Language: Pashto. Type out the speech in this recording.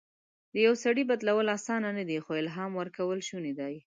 د یو سړي بدلول اسانه نه دي، خو الهام ورکول شونی ده.